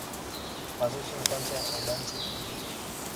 Pasó su infancia en Nancy y Lille.